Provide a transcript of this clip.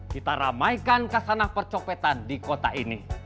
kita ramaikan kasanah percopetan di kota ini